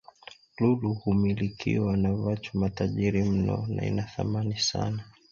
Lulu humilikiwa na vachu matajiri nno na ina thamani sana